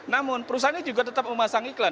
namun perusahaannya juga tetap memasang iklan